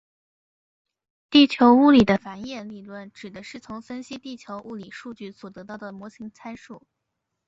地球物理的反演理论指的是从分析地球物理数据所得到的模型参数。